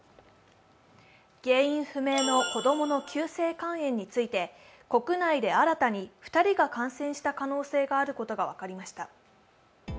原因不明の子供の急性肝炎について国内で新たに２人が感染した可能性があることが分かりました。